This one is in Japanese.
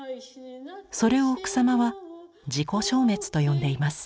それを草間は「自己消滅」と呼んでいます。